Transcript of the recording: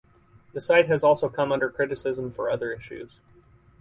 The site has also come under criticism for other issues.